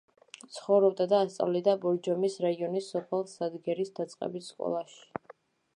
ცხოვრობდა და ასწავლიდა ბორჯომის რაიონის სოფელ სადგერის დაწყებით სკოლაში.